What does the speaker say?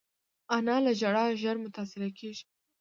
انا له ژړا ژر متاثره کېږي